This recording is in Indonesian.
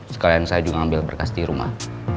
sekalian saya juga ambil berkas di rumah